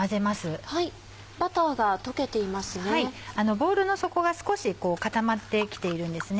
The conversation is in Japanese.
ボウルの底が少し固まって来ているんですね。